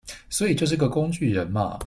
所以就是個工具人嘛